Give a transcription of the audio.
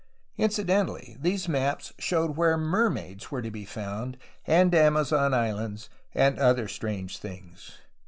In cidentally, these maps showed where ''mermaids'^ were to be found, and Amazon islands, and other strange things.